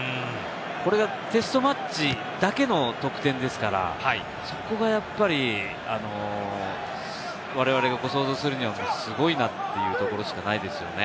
これがテストマッチだけの得点ですからそこがやっぱり、われわれが想像するには、すごいなっていうところしかないですよね。